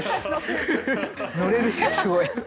「乗れるしすごい」。